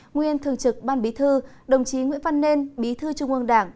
nguyên thường trực ban bí thư đồng chí nguyễn văn nên bí thư trung ương đảng